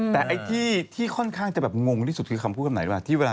แต่ไอ้ที่ค่อนข้างจะแบบงงที่สุดคือคำพูดคำไหนว่า